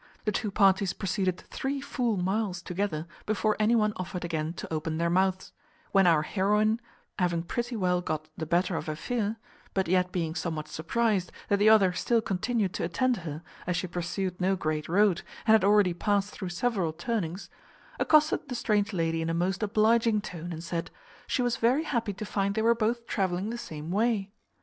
The two parties proceeded three full miles together before any one offered again to open their mouths; when our heroine, having pretty well got the better of her fear (but yet being somewhat surprized that the other still continued to attend her, as she pursued no great road, and had already passed through several turnings), accosted the strange lady in a most obliging tone, and said, "She was very happy to find they were both travelling the same way."